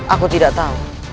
aku tidak tahu